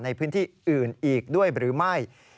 ในพื้นที่อื่นอีกด้วยหรือไม่